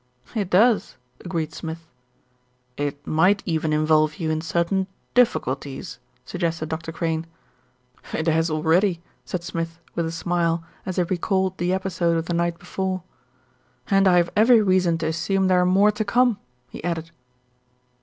"It does," agreed Smith. t ^ "It might even involve you in certain difficulties, suggested Dr. Crane. "It has already," said Smith, with a smile, as he re called the episode of the night before, "and I have every reason to assume there are more to come," he added.